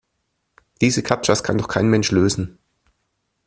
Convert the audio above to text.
Diese Captchas kann doch kein Mensch lösen!